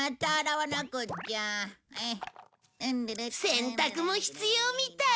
洗濯も必要みたい！